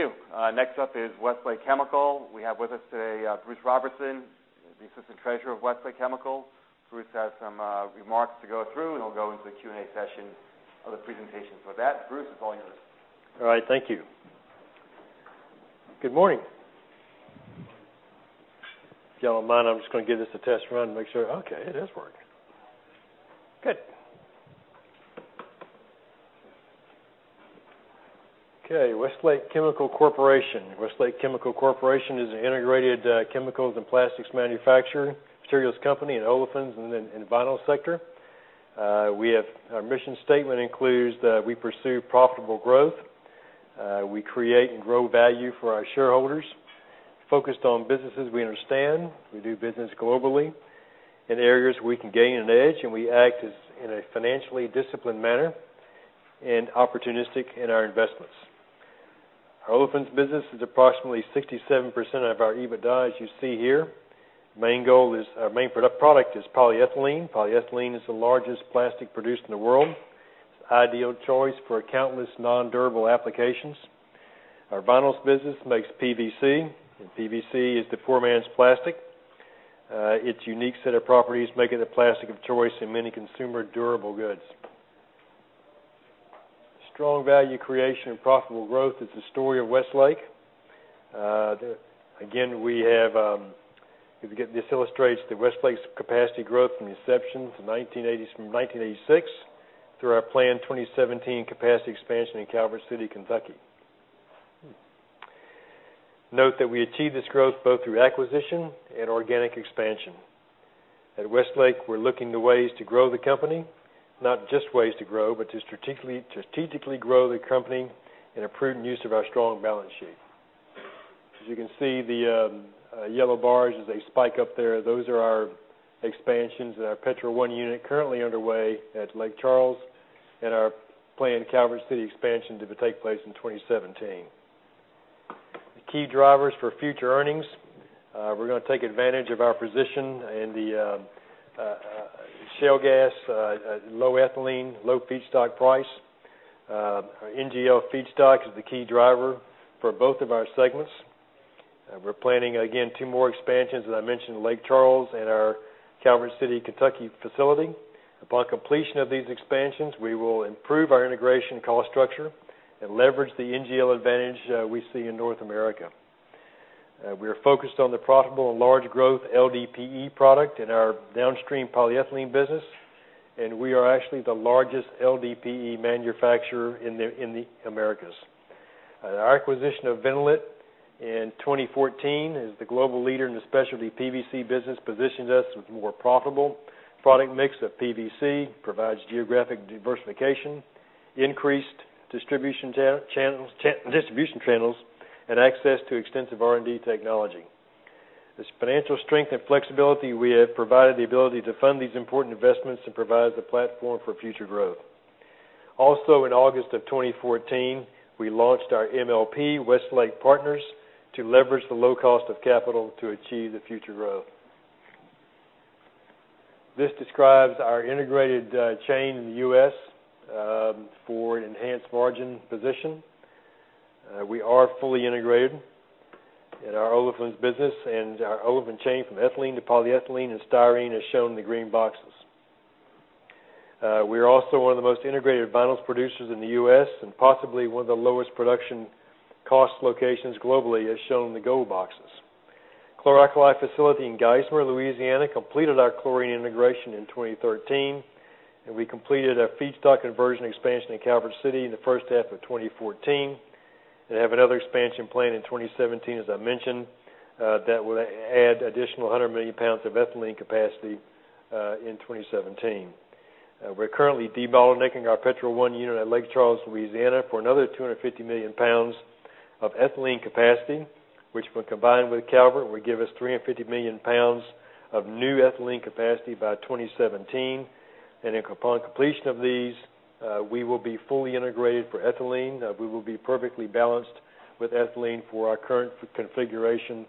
Thank you. Next up is Westlake Chemical. We have with us today Bruce Robertson, the Assistant Treasurer of Westlake Chemical. Bruce has some remarks to go through, and then we'll go into the Q&A session of the presentation. For that, Bruce, it's all yours. All right. Thank you. Good morning. If you all don't mind, I'm just going to give this a test run and make sure, okay, it is working. Good. Okay. Westlake Chemical Corporation. Westlake Chemical Corporation is an integrated chemicals and plastics manufacturing materials company in olefins and vinyl sector. Our mission statement includes that we pursue profitable growth. We create and grow value for our shareholders, focused on businesses we understand. We do business globally in areas we can gain an edge. We act in a financially disciplined manner and opportunistic in our investments. Our olefins business is approximately 67% of our EBITDA, as you see here. Main product is polyethylene. Polyethylene is the largest plastic produced in the world. It's an ideal choice for countless non-durable applications. Our vinyls business makes PVC. PVC is the poor man's plastic. Its unique set of properties make it the plastic of choice in many consumer durable goods. Strong value creation and profitable growth is the story of Westlake. Again, this illustrates Westlake's capacity growth from inception from 1986 through our planned 2017 capacity expansion in Calvert City, Kentucky. Note that we achieved this growth both through acquisition and organic expansion. At Westlake, we're looking to ways to grow the company, not just ways to grow, but to strategically grow the company in a prudent use of our strong balance sheet. As you can see, the yellow bars, as they spike up there, those are our expansions at our Petro 1 unit currently underway at Lake Charles, and our planned Calvert City expansion to take place in 2017. The key drivers for future earnings. We're going to take advantage of our position in the shale gas, low ethylene, low feedstock price. NGL feedstock is the key driver for both of our segments. We're planning, again, two more expansions, as I mentioned, Lake Charles and our Calvert City, Kentucky facility. Upon completion of these expansions, we will improve our integration cost structure and leverage the NGL advantage we see in North America. We are focused on the profitable and large growth LDPE product in our downstream polyethylene business. We are actually the largest LDPE manufacturer in the Americas. Our acquisition of Vinnolit in 2014 is the global leader in the specialty PVC business, positions us with more profitable product mix of PVC, provides geographic diversification, increased distribution channels, and access to extensive R&D technology. This financial strength and flexibility, we have provided the ability to fund these important investments and provide the platform for future growth. Also, in August of 2014, we launched our MLP, Westlake Partners, to leverage the low cost of capital to achieve the future growth. This describes our integrated chain in the U.S. for an enhanced margin position. We are fully integrated in our olefins business, and our olefin chain, from ethylene to polyethylene and styrene, as shown in the green boxes. We are also one of the most integrated vinyls producers in the U.S. and possibly one of the lowest production cost locations globally, as shown in the gold boxes. A chlor-alkali facility in Geismar, Louisiana, completed our chlorine integration in 2013, and we completed a feedstock conversion expansion in Calvert City in the first half of 2014, and have another expansion planned in 2017, as I mentioned. That will add additional 100 million pounds of ethylene capacity in 2017. We're currently debottlenecking our Petro 1 unit at Lake Charles, Louisiana, for another 250 million pounds of ethylene capacity, which when combined with Calvert, will give us 350 million pounds of new ethylene capacity by 2017. Upon completion of these, we will be fully integrated for ethylene. We will be perfectly balanced with ethylene for our current configuration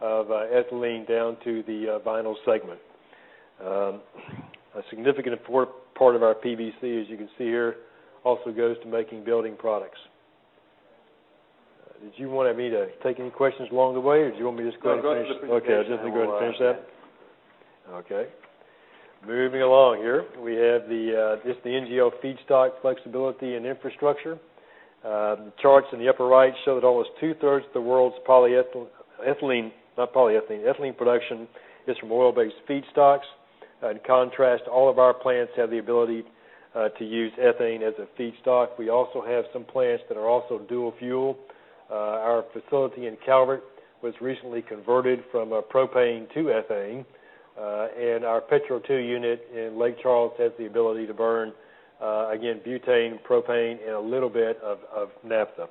of ethylene down to the vinyl segment. A significant part of our PVC, as you can see here, also goes to making building products. Did you want me to take any questions along the way, or do you want me to just quickly finish? No, go through the presentation. Okay. I'll just go ahead and finish that. Yeah. Okay. Moving along here. We have just the NGL feedstock flexibility and infrastructure. Charts in the upper right show that almost two-thirds of the world's ethylene production is from oil-based feedstocks. In contrast, all of our plants have the ability to use ethane as a feedstock. We also have some plants that are also dual fuel. Our facility in Calvert was recently converted from propane to ethane. Our Petro 2 unit in Lake Charles has the ability to burn, again, butane, propane, and a little bit of naphtha.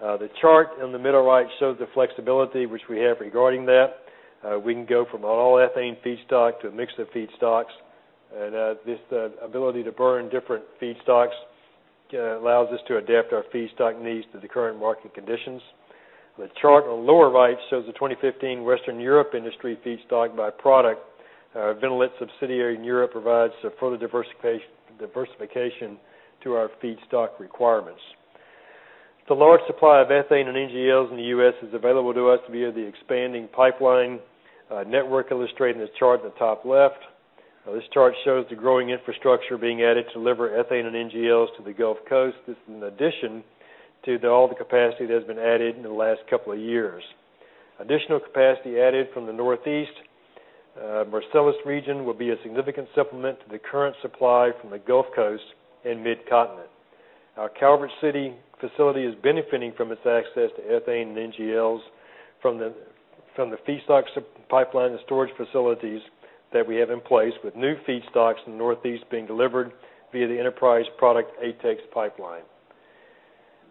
The chart in the middle right shows the flexibility which we have regarding that. We can go from an all ethane feedstock to a mix of feedstocks. This ability to burn different feedstocks allows us to adapt our feedstock needs to the current market conditions. The chart on the lower right shows the 2015 Western Europe industry feedstock by product. Vinnolit subsidiary in Europe provides further diversification to our feedstock requirements. The large supply of ethane and NGLs in the U.S. is available to us via the expanding pipeline network illustrated in this chart in the top left. This chart shows the growing infrastructure being added to deliver ethane and NGLs to the Gulf Coast. This is in addition to all the capacity that has been added in the last couple of years. Additional capacity added from the Northeast Marcellus region will be a significant supplement to the current supply from the Gulf Coast and Mid-Continent. Our Calvert City facility is benefiting from its access to ethane and NGLs from the feedstock pipeline and storage facilities that we have in place, with new feedstocks in the Northeast being delivered via the Enterprise Products ATEX pipeline.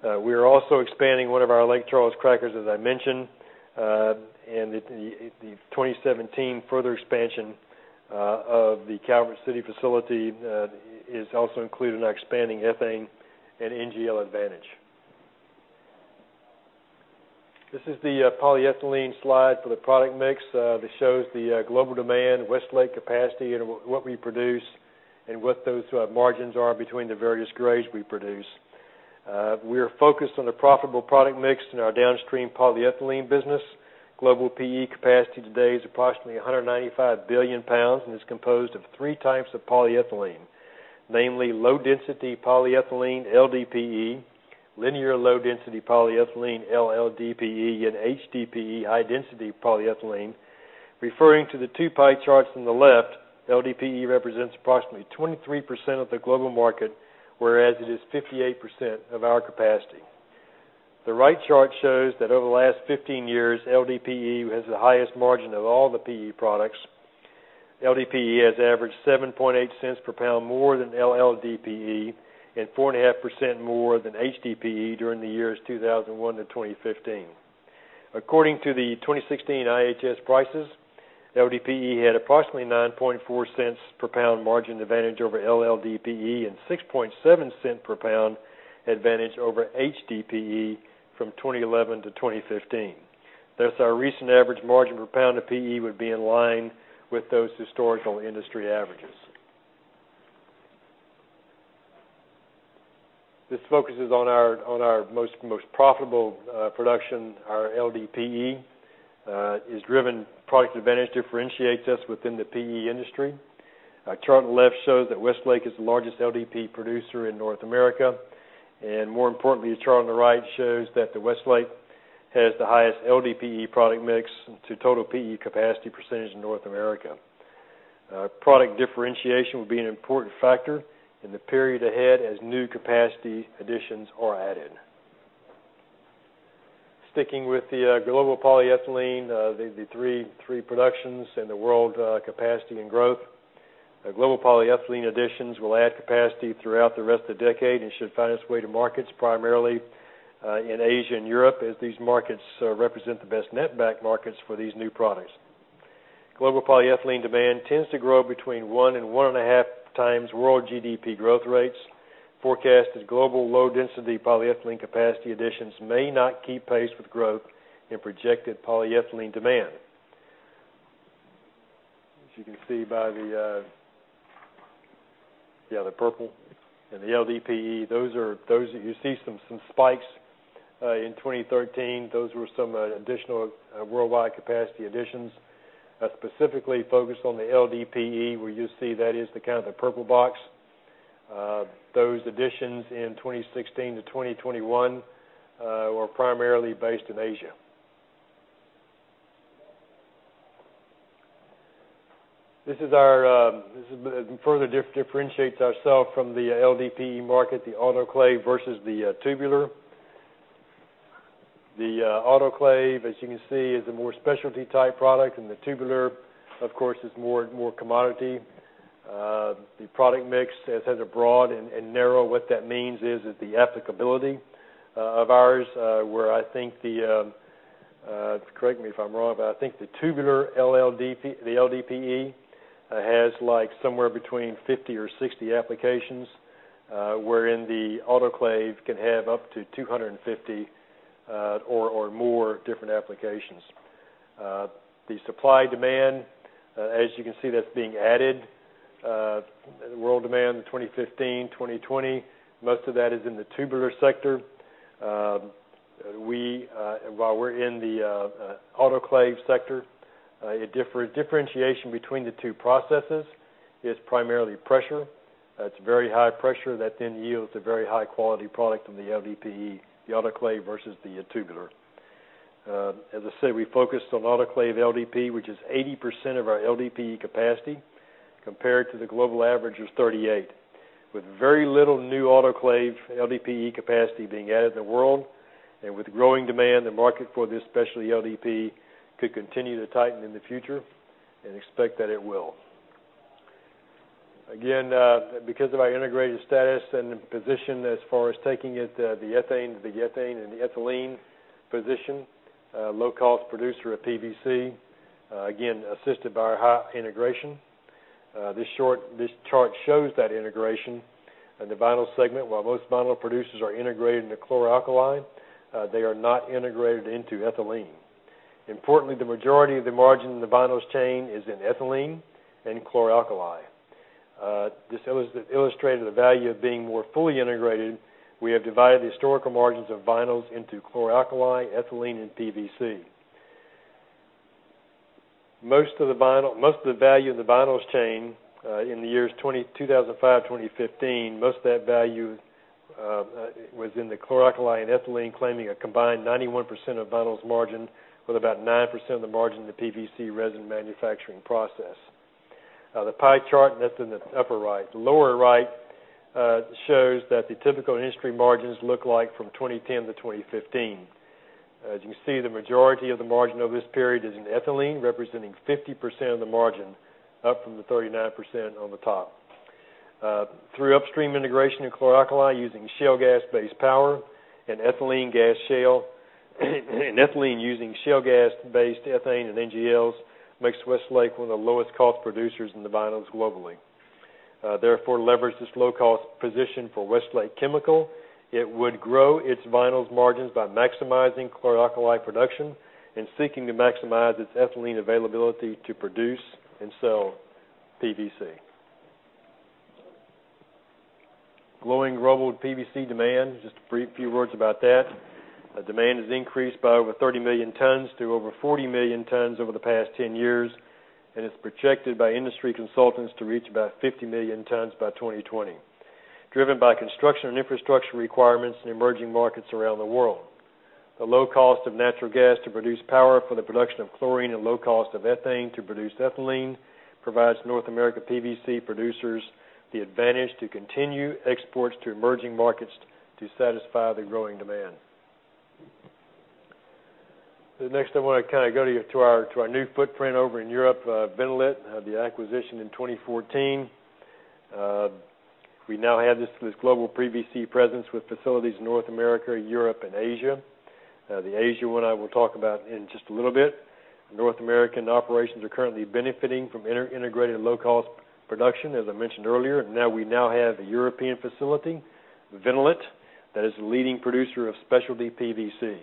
We are also expanding one of our Lake Charles crackers, as I mentioned. The 2017 further expansion of the Calvert City facility is also included in our expanding ethane and NGL advantage. This is the polyethylene slide for the product mix. This shows the global demand, Westlake capacity, and what we produce and what those margins are between the various grades we produce. We are focused on the profitable product mix in our downstream polyethylene business. Global PE capacity today is approximately 195 billion pounds and is composed of three types of polyethylene. Namely, low-density polyethylene, LDPE, linear low-density polyethylene, LLDPE, and HDPE, high-density polyethylene. Referring to the two pie charts on the left, LDPE represents approximately 23% of the global market, whereas it is 58% of our capacity. The right chart shows that over the last 15 years, LDPE has the highest margin of all the PE products. LDPE has averaged $0.078 per pound more than LLDPE and 4.5% more than HDPE during the years 2001 to 2015. According to the 2016 IHS prices, LDPE had approximately $0.094 per pound margin advantage over LLDPE and $0.067 per pound advantage over HDPE from 2011-2015. Thus, our recent average margin per pound of PE would be in line with those historical industry averages. This focuses on our most profitable production. Our LDPE is driven product advantage differentiates us within the PE industry. Our chart on the left shows that Westlake is the largest LDPE producer in North America. More importantly, the chart on the right shows that Westlake has the highest LDPE product mix to total PE capacity percentage in North America. Product differentiation will be an important factor in the period ahead as new capacity additions are added. Sticking with the global polyethylene the three productions and the world capacity and growth. Global polyethylene additions will add capacity throughout the rest of the decade and should find its way to markets primarily in Asia and Europe, as these markets represent the best net back markets for these new products. Global polyethylene demand tends to grow between one and one and a half times world GDP growth rates. Forecasted global low-density polyethylene capacity additions may not keep pace with growth in projected polyethylene demand. As you can see by the purple in the LDPE, you see some spikes in 2013. Those were some additional worldwide capacity additions, specifically focused on the LDPE, where you see that is the purple box. Those additions in 2016-2021 were primarily based in Asia. This further differentiates ourselves from the LDPE market, the autoclave versus the tubular. The autoclave, as you can see, is a more specialty type product. The tubular, of course, is more commodity. The product mix has a broad and narrow. What that means is that the applicability of ours, where I think correct me if I'm wrong, I think the tubular LDPE has somewhere between 50 or 60 applications, wherein the autoclave can have up to 250 or more different applications. The supply-demand, as you can see, that's being added. World demand in 2015, 2020, most of that is in the tubular sector. While we're in the autoclave sector, a differentiation between the two processes is primarily pressure. It's very high pressure that then yields a very high-quality product from the LDPE, the autoclave versus the tubular. As I said, we focused on autoclave LDPE, which is 80% of our LDPE capacity, compared to the global average of 38%. With very little new autoclave LDPE capacity being added in the world and with growing demand, the market for this specialty LDPE could continue to tighten in the future and expect that it will. Again, because of our integrated status and position as far as taking it, the ethane to the ethylene position. Low cost producer of PVC, again, assisted by our high integration. This chart shows that integration in the vinyl segment. While most vinyl producers are integrated into chlor-alkali, they are not integrated into ethylene. Importantly, the majority of the margin in the vinyls chain is in ethylene and chlor-alkali. This illustrated the value of being more fully integrated. We have divided the historical margins of vinyls into chlor-alkali, ethylene, and PVC. Most of the value in the vinyls chain in the years 2005, 2015, most of that value was in the chlor-alkali and ethylene, claiming a combined 91% of vinyls margin with about 9% of the margin in the PVC resin manufacturing process. The pie chart, that's in the upper right. The lower right shows that the typical industry margins look like from 2010-2015. As you can see, the majority of the margin over this period is in ethylene, representing 50% of the margin, up from the 39% on the top. Through upstream integration of chlor-alkali using shale gas base power and ethylene gas shale and ethylene using shale gas based ethane and NGLs makes Westlake one of the lowest cost producers in the vinyls globally. Therefore, leverage this low cost position for Westlake Chemical. It would grow its vinyls margins by maximizing chlor-alkali production and seeking to maximize its ethylene availability to produce and sell PVC. Growing global PVC demand, just a brief few words about that. Demand has increased by over 30 million tons to over 40 million tons over the past 10 years, and it's projected by industry consultants to reach about 50 million tons by 2020, driven by construction and infrastructure requirements in emerging markets around the world. The low cost of natural gas to produce power for the production of chlorine and low cost of ethane to produce ethylene provides North America PVC producers the advantage to continue exports to emerging markets to satisfy the growing demand. Next I want to go to our new footprint over in Europe, Vinnolit, the acquisition in 2014. We now have this global PVC presence with facilities in North America, Europe, and Asia. The Asia one I will talk about in just a little bit. North American operations are currently benefiting from integrated low cost production, as I mentioned earlier. Now we now have a European facility, Vinnolit, that is the leading producer of specialty PVC.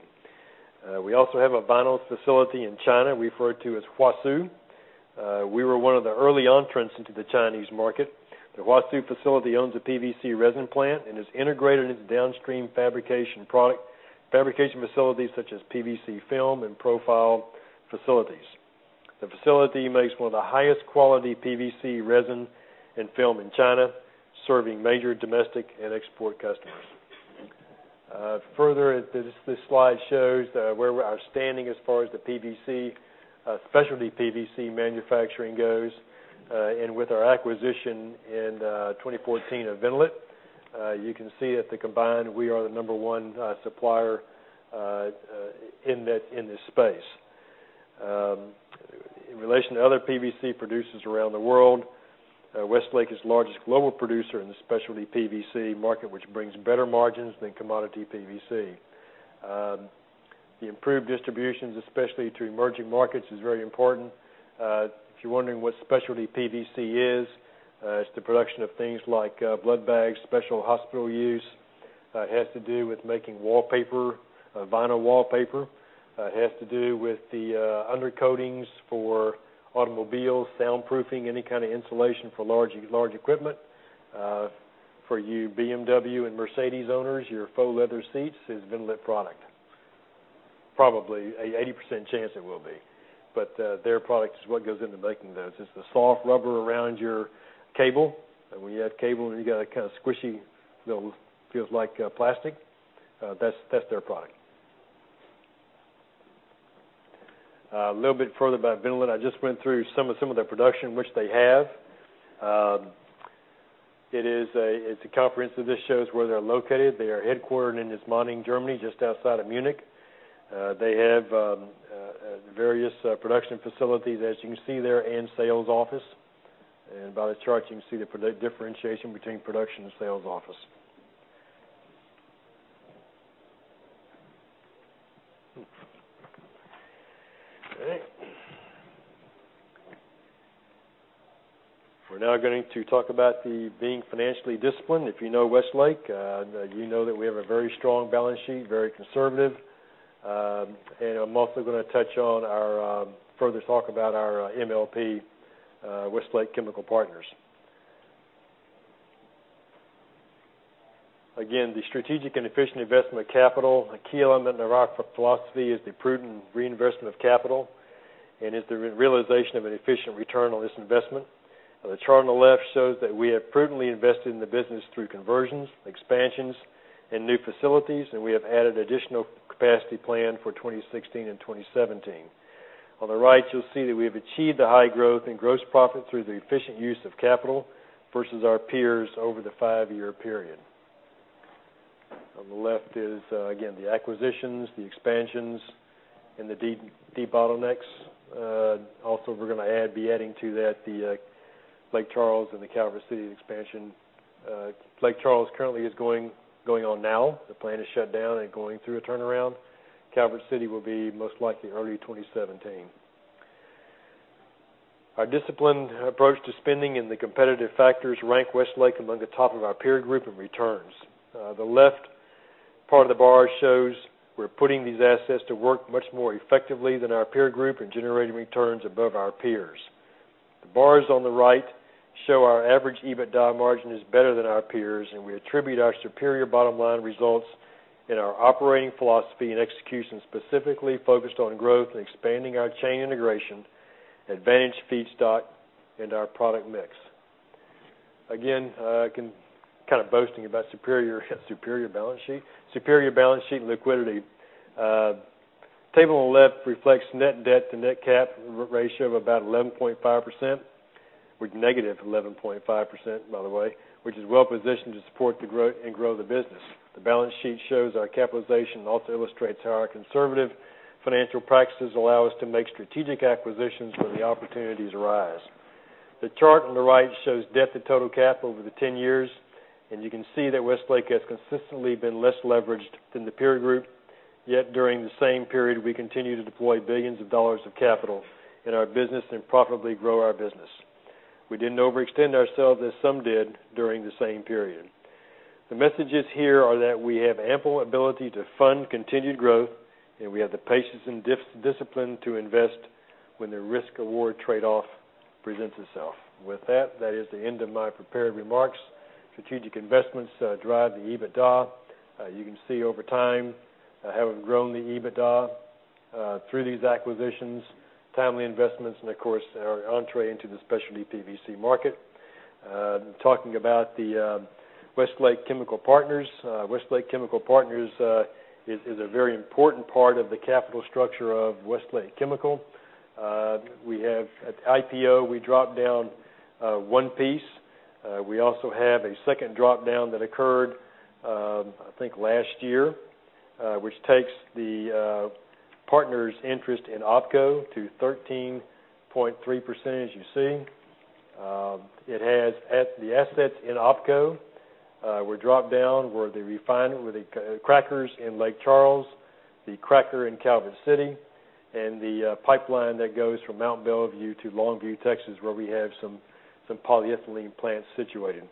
We also have a vinyls facility in China we refer to as Huasu. We were one of the early entrants into the Chinese market. The Huasu facility owns a PVC resin plant and is integrated into downstream fabrication facilities such as PVC film and profile facilities. The facility makes one of the highest quality PVC resin and film in China, serving major domestic and export customers. This slide shows where we are standing as far as the specialty PVC manufacturing goes. With our acquisition in 2014 of Vinnolit, you can see that combined we are the number one supplier in this space. In relation to other PVC producers around the world, Westlake is the largest global producer in the specialty PVC market, which brings better margins than commodity PVC. The improved distributions, especially to emerging markets, is very important. If you're wondering what specialty PVC is, it's the production of things like blood bags, special hospital use. It has to do with making wallpaper, vinyl wallpaper. It has to do with the undercoatings for automobiles, soundproofing, any kind of insulation for large equipment. For you BMW and Mercedes owners, your faux leather seats is Vinnolit product. Probably, a 80% chance it will be. Their product is what goes into making those. It's the soft rubber around your cable. When you have cable and you got a kind of squishy feel like plastic, that's their product. A little bit further about Vinnolit. I just went through some of their production, which they have. This shows where they're located. They are headquartered in Ismaning, Germany, just outside of Munich. They have various production facilities, as you can see there, and sales office. By the chart, you can see the differentiation between production and sales office. All right. We're now going to talk about the being financially disciplined. If you know Westlake, you know that we have a very strong balance sheet, very conservative. I'm also going to further talk about our MLP, Westlake Chemical Partners. Again, the strategic and efficient investment of capital, a key element in the rock philosophy is the prudent reinvestment of capital and is the realization of an efficient return on this investment. The chart on the left shows that we have prudently invested in the business through conversions, expansions, and new facilities, and we have added additional capacity plan for 2016 and 2017. On the right, you'll see that we have achieved a high growth in gross profit through the efficient use of capital versus our peers over the five-year period. On the left is, again, the acquisitions, the expansions, and the debottlenecks. Also, we're going to be adding to that the Lake Charles and the Calvert City expansion. Lake Charles currently is going on now. The plant is shut down and going through a turnaround. Calvert City will be most likely early 2017. Our disciplined approach to spending in the competitive factors rank Westlake among the top of our peer group in returns. The left part of the bar shows we're putting these assets to work much more effectively than our peer group, and generating returns above our peers. The bars on the right show our average EBITDA margin is better than our peers, and we attribute our superior bottom-line results in our operating philosophy and execution, specifically focused on growth and expanding our chain integration, advantage feedstock, and our product mix. Kind of boasting about superior balance sheet and liquidity. Table on the left reflects net debt to net cap ratio of about 11.5%, with -11.5%, by the way, which is well positioned to support the growth and grow the business. The balance sheet shows our capitalization, and also illustrates how our conservative financial practices allow us to make strategic acquisitions when the opportunities arise. The chart on the right shows debt to total cap over the 10 years, and you can see that Westlake has consistently been less leveraged than the peer group. Yet during the same period, we continue to deploy billions of dollars of capital in our business and profitably grow our business. We didn't overextend ourselves as some did during the same period. The messages here are that we have ample ability to fund continued growth, and we have the patience and discipline to invest when the risk, reward trade-off presents itself. With that is the end of my prepared remarks. Strategic investments drive the EBITDA. You can see over time, having grown the EBITDA through these acquisitions, timely investments and, of course, our entry into the specialty PVC market. Talking about the Westlake Chemical Partners. Westlake Chemical Partners is a very important part of the capital structure of Westlake Chemical. We have an IPO. We dropped down one piece. We also have a second drop-down that occurred, I think last year, which takes the partner's interest in OpCo to 13.3%, as you see. The assets in OpCo were dropped down, with the crackers in Lake Charles, the cracker in Calvert City, and the pipeline that goes from Mont Belvieu to Longview, Texas, where we have some polyethylene plants situated.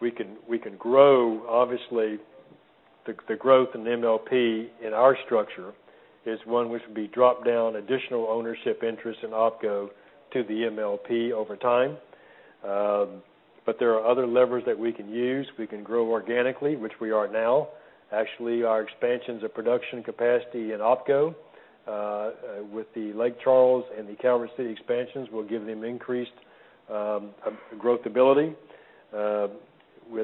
We can grow. Obviously, the growth in MLP in our structure is one which will be dropped down additional ownership interest in OpCo to the MLP over time. There are other levers that we can use. We can grow organically, which we are now. Actually, our expansions of production capacity in OpCo with the Lake Charles and the Calvert City expansions will give them increased growth ability. Where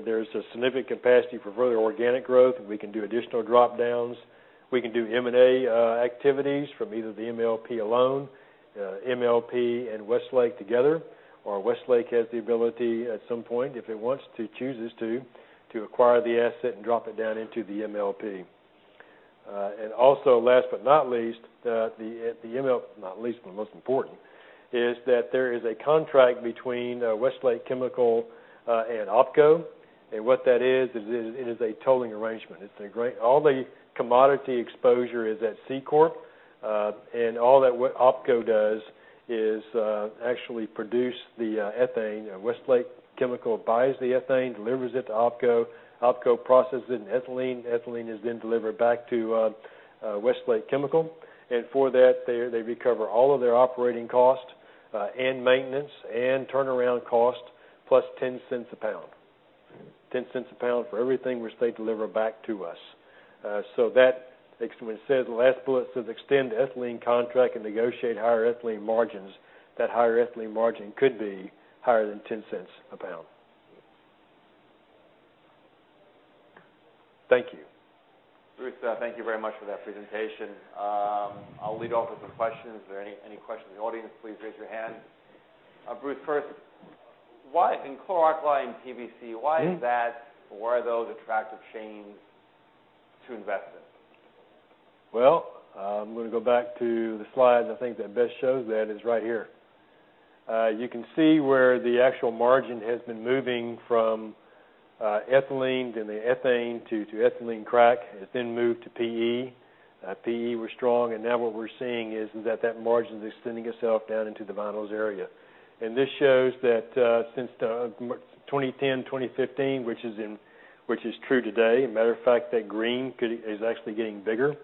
there's a significant capacity for further organic growth, and we can do additional drop-downs. We can do M&A activities from either the MLP alone, MLP and Westlake together, or Westlake has the ability at some point, if it wants to, chooses to acquire the asset and drop it down into the MLP. Also, last but not least, not least, but most important, is that there is a contract between Westlake Chemical and OpCo. What that is, it is a tolling arrangement. All the commodity exposure is at C corp. All that what OpCo does is actually produce the ethane. Westlake Chemical buys the ethane, delivers it to OpCo. OpCo processes it into ethylene. Ethylene is then delivered back to Westlake Chemical. For that, they recover all of their operating costs and maintenance and turnaround costs plus $0.10 a pound. $0.10 a pound for everything which they deliver back to us. That, when it says the last bullet, says extend ethylene contract and negotiate higher ethylene margins, that higher ethylene margin could be higher than $0.10 a pound. Thank you. Bruce, thank you very much for that presentation. I'll lead off with some questions. Is there any questions in the audience? Please raise your hand. Bruce, first, in chlor-alkali and PVC, why is that, or why are those attractive chains to invest in? Well, I'm going to go back to the slide I think that best shows that is right here. You can see where the actual margin has been moving from ethylene to the ethane to ethylene crack. It then moved to PE. PE was strong, and now what we're seeing is that that margin is extending itself down into the vinyls area. This shows that since 2010, 2015, which is true today. Matter of fact, that green is actually getting bigger.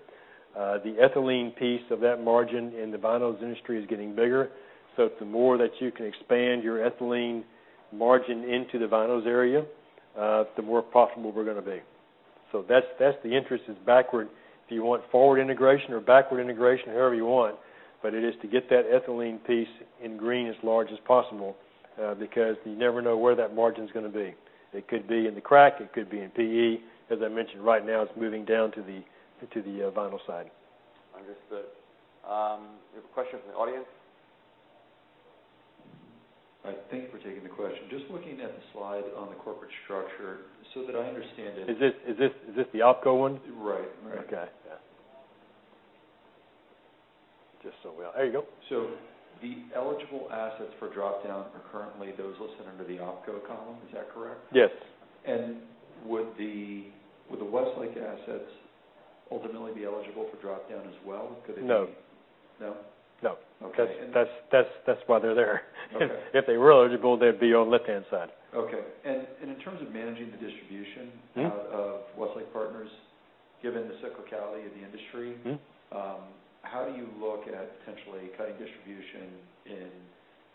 The ethylene piece of that margin in the vinyls industry is getting bigger. It's the more that you can expand your ethylene margin into the vinyls area, the more profitable we're going to be. That's the interest is backward. If you want forward integration or backward integration, however you want. It is to get that ethylene piece in green as large as possible because you never know where that margin's going to be. It could be in the crack. It could be in PE. As I mentioned, right now it's moving down to the vinyl side. Understood. We have a question from the audience. All right. Thank you for taking the question. Just looking at the slide on the corporate structure, so that I understand it. Is this the OpCo one? Right. Okay. Yeah. There you go. The eligible assets for drop-down are currently those listed under the OpCo column, is that correct? Yes. Would the Westlake assets ultimately be eligible for drop-down as well? No. No? No. Okay. That's why they're there. Okay. If they were eligible, they'd be on the left-hand side. Okay. In terms of managing the distribution out of Westlake Partners, given the cyclicality of the industry, how do you look at potentially cutting distribution in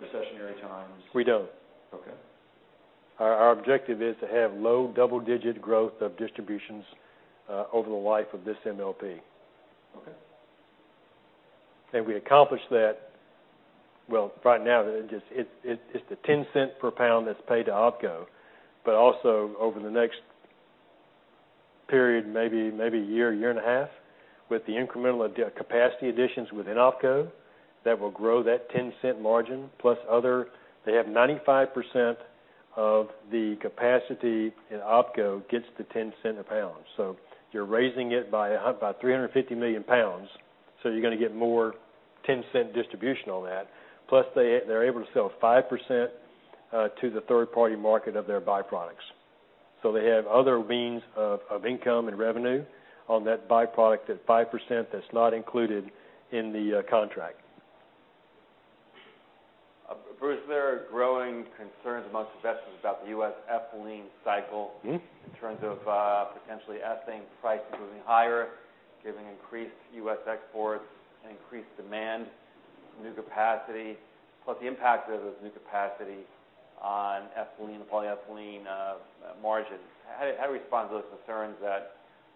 recessionary times? We don't. Okay. Our objective is to have low double-digit growth of distributions over the life of this MLP. Okay. We accomplish that. Well, right now, it's the $0.10 per pound that's paid to OpCo, but also over the next period, maybe a year, a year and a half, with the incremental capacity additions within OpCo, that will grow that $0.10 margin, plus other. They have 95% of the capacity in OpCo gets the $0.10 a pound. You're raising it by 350 million pounds. You're going to get more $0.10 distribution on that. Plus, they're able to sell 5% to the third-party market of their byproducts. They have other means of income and revenue on that byproduct, that 5%, that's not included in the contract. Bruce, there are growing concerns amongst investors about the U.S. ethylene cycle in terms of potentially ethane prices moving higher, given increased U.S. exports and increased demand, new capacity, plus the impact of those new capacity on ethylene, polyethylene margins. How do you respond to those concerns that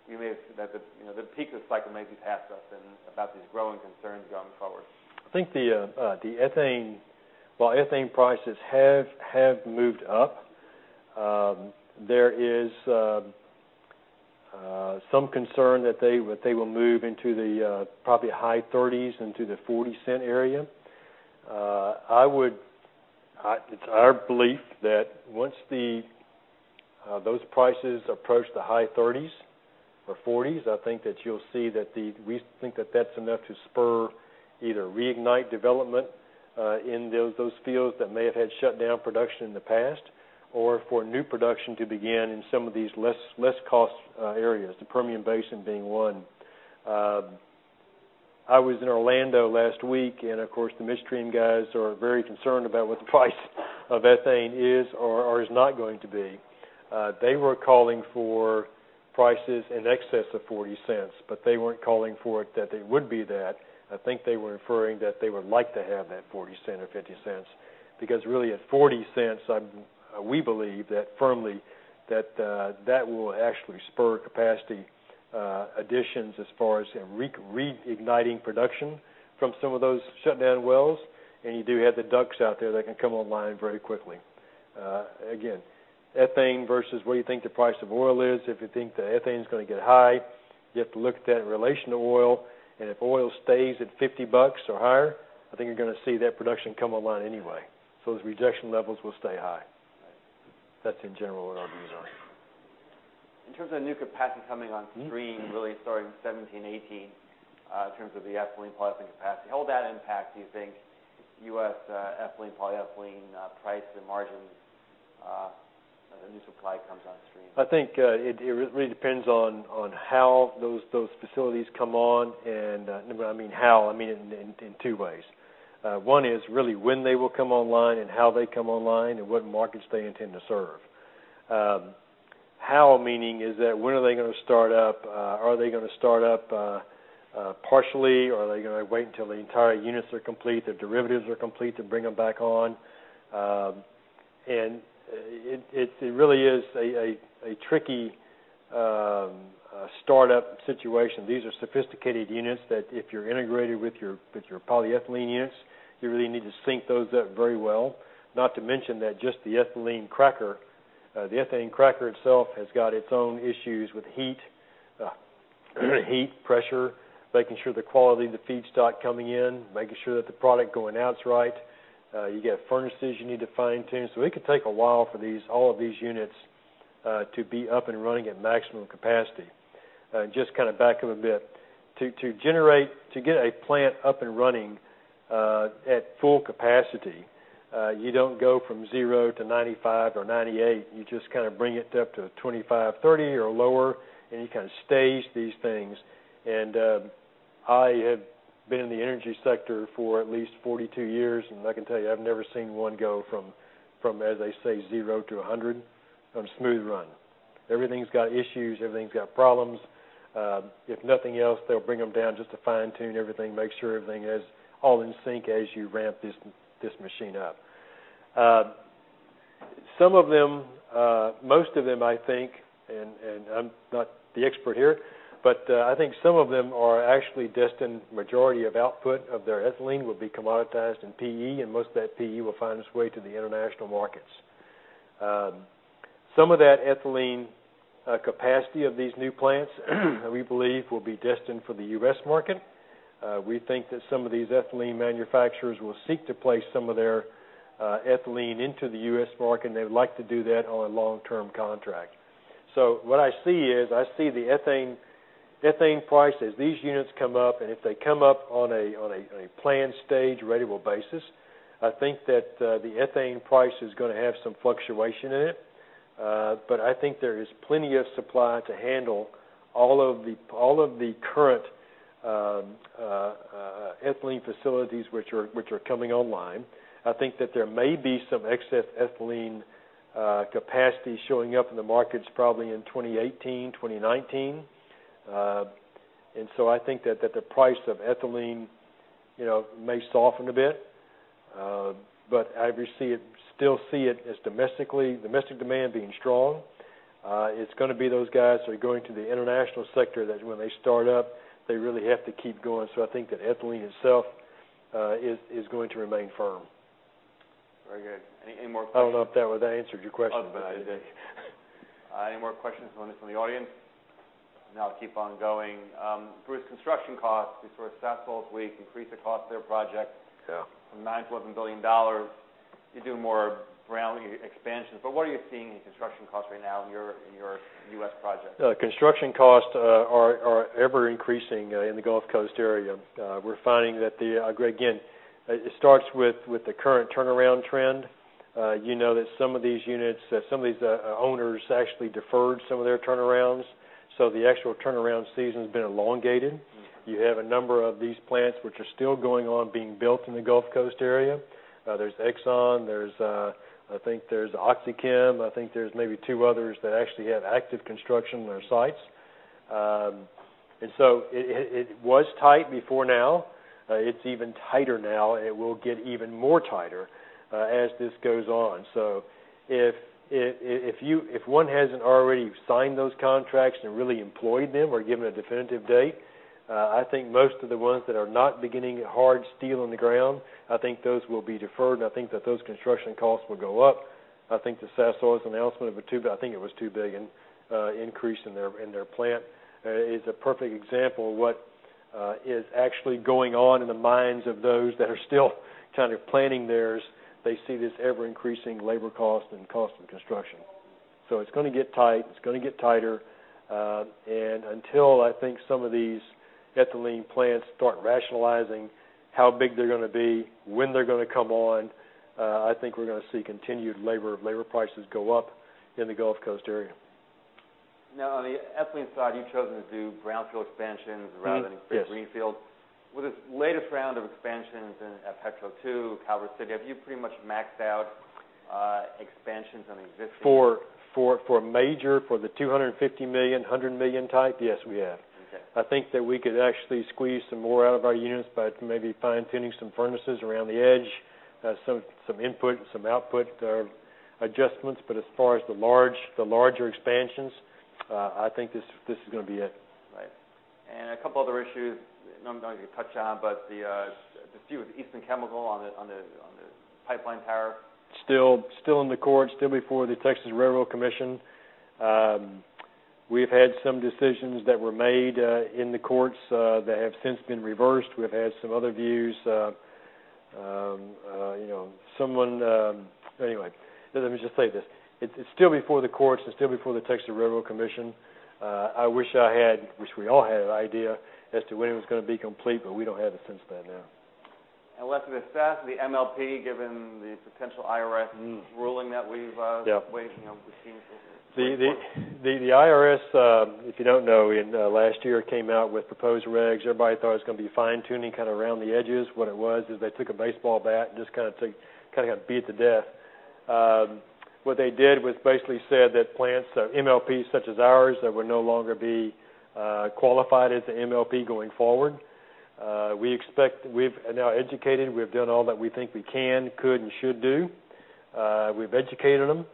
the peak of the cycle may be past us and about these growing concerns going forward? I think the ethane prices have moved up. There is some concern that they will move into the probably high 30s into the $0.40 area. It's our belief that once those prices approach the high 30s or 40s, we think that that's enough to spur either reignite development in those fields that may have had shut down production in the past or for new production to begin in some of these less cost areas, the Permian Basin being one. I was in Orlando last week, and of course, the Midstream guys are very concerned about what the price of ethane is or is not going to be. They were calling for prices in excess of $0.40, they weren't calling for it that they would be that. I think they were referring that they would like to have that $0.40 or $0.50, because really at $0.40, we believe firmly that that will actually spur capacity additions as far as reigniting production from some of those shut down wells, and you do have the DUCs out there that can come online very quickly. Again, ethane versus what you think the price of oil is, if you think the ethane is gonna get high, you have to look at that in relation to oil. If oil stays at $50 or higher, I think you're gonna see that production come online anyway. Those rejection levels will stay high. Right. That's in general what our views are. In terms of new capacity coming on stream, really starting 2017, 2018, in terms of the ethylene/polyethylene capacity, how will that impact, do you think, U.S. ethylene, polyethylene price and margins as the new supply comes on stream? I think it really depends on how those facilities come on. By how, I mean in two ways. One is really when they will come online and how they come online and what markets they intend to serve. How, meaning is that when are they gonna start up? Are they gonna start up partially, or are they gonna wait until the entire units are complete, the derivatives are complete to bring them back on? It really is a tricky startup situation. These are sophisticated units that if you're integrated with your polyethylene units, you really need to sync those up very well. Not to mention that just the ethylene cracker itself has got its own issues with heat, pressure, making sure the quality of the feedstock coming in, making sure that the product going out's right. You got furnaces you need to fine-tune. It could take a while for all of these units to be up and running at maximum capacity. Just to back up a bit. To get a plant up and running at full capacity, you don't go from zero to 95% or 98%. You just bring it up to 25%, 30% or lower, and you stage these things. I have been in the energy sector for at least 42 years, and I can tell you, I've never seen one go from, as they say, zero to 100% on a smooth run. Everything's got issues. Everything's got problems. If nothing else, they'll bring them down just to fine-tune everything, make sure everything is all in sync as you ramp this machine up. Most of them, I think, and I'm not the expert here, but I think some of them are actually destined, majority of output of their ethylene will be commoditized in PE, and most of that PE will find its way to the international markets. Some of that ethylene capacity of these new plants we believe will be destined for the U.S. market. We think that some of these ethylene manufacturers will seek to place some of their ethylene into the U.S. market, and they would like to do that on a long-term contract. What I see is, I see the ethane price as these units come up, and if they come up on a planned stage, ratable basis, I think that the ethane price is going to have some fluctuation in it. I think there is plenty of supply to handle all of the current ethylene facilities which are coming online. I think that there may be some excess ethylene capacity showing up in the markets probably in 2018, 2019. I think that the price of ethylene may soften a bit. I still see domestic demand being strong. It's going to be those guys who are going to the international sector that when they start up, they really have to keep going. I think that ethylene itself is going to remain firm. Very good. Any more questions? I don't know if that answered your question. It did. Any more questions from the audience? If not, I'll keep on going. Bruce, construction costs. We saw Sasol this week increase the cost of their project. Yeah. From $9 billion to $11 billion. What are you seeing in construction costs right now in your U.S. projects? Construction costs are ever increasing in the Gulf Coast area. Again, it starts with the current turnaround trend. You know that some of these owners actually deferred some of their turnarounds, so the actual turnaround season's been elongated. You have a number of these plants which are still going on being built in the Gulf Coast area. There's Exxon, there's OxyChem, I think there's maybe two others that actually have active construction on their sites. It was tight before now. It's even tighter now. It will get even more tighter as this goes on. If one hasn't already signed those contracts and really employed them or given a definitive date, I think most of the ones that are not beginning hard steel in the ground, I think those will be deferred, and I think that those construction costs will go up. I think the Sasol's announcement of, I think it was a $2 billion increase in their plant is a perfect example of what is actually going on in the minds of those that are still planning theirs. They see this ever increasing labor cost and cost of construction. It's going to get tight, it's going to get tighter. Until, I think, some of these ethylene plants start rationalizing how big they're going to be, when they're going to come on, I think we're going to see continued labor prices go up in the Gulf Coast area. Now, on the ethylene side, you've chosen to do brownfield expansions rather than greenfield. With this latest round of expansions at Petro 2, Calvert City, have you pretty much maxed out expansions on existing? For major, for the $250 million, $100 million type, yes, we have. Okay. I think that we could actually squeeze some more out of our units by maybe fine-tuning some furnaces around the edge. Some input and some output adjustments. As far as the larger expansions, I think this is going to be it. Right. A couple other issues I know you touched on, but the feud with Eastman Chemical on the pipeline tariff. Still in the court, still before the Texas Railroad Commission. We've had some decisions that were made in the courts that have since been reversed. We've had some other views. Anyway, let me just say this. It's still before the courts and still before the Texas Railroad Commission. I wish we all had an idea as to when it was going to be complete, but we don't have a sense of that now. Lastly, the MLP, given the potential IRS ruling that we've been waiting on with bated breath. The IRS, if you don't know, last year came out with proposed regs. Everybody thought it was going to be fine-tuning around the edges. What it was is they took a baseball bat and just beat it to death. What they did was basically said that MLPs such as ours would no longer be qualified as an MLP going forward. We've now educated, we've done all that we think we can, could, and should do. We've educated them.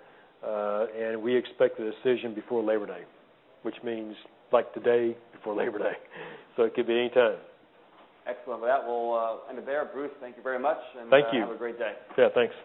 We expect a decision before Labor Day. Which means, like today, before Labor Day. It could be any time. Excellent. With that, we'll end it there. Bruce, thank you very much. Thank you. Have a great day. Yeah, thanks.